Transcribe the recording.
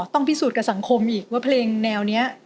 พิสูจน์กับสังคมอีกว่าเพลงแนวนี้